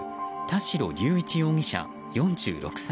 田代竜一容疑者、４６歳。